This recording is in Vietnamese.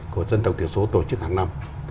của dân tộc thiểu số tổ chức hàng năm